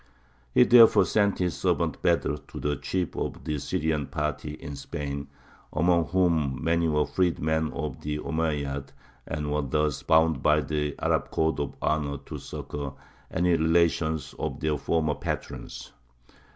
He therefore sent his servant Bedr to the chiefs of the Syrian party in Spain, among whom many were freedmen of the Omeyyads and were thus bound by the Arab code of honour to succour any relation of their former patrons.